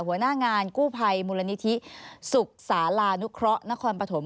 หัวหน้างานกู้ภัยมูลนิธิสุขศาลานุเคราะห์นครปฐม